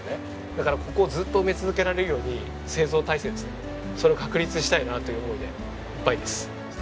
だからここをずっと埋め続けられるように製造体制ですねそれを確立したいなという思いでいっぱいです。